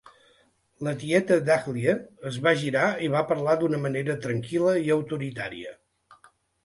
La tieta Dahlia es va girar i va parlar d'una manera tranquil·la i autoritària.